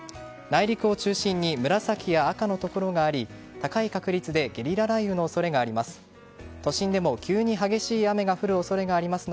内陸を中心に紫や赤のところがあり高い確率でゲリラ雷雨の恐れがあります。